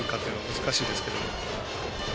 難しいですけど。